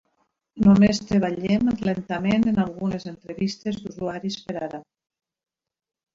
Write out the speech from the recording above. Només treballem lentament en algunes entrevistes d'usuaris per ara.